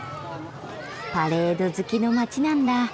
パレード好きの街なんだ。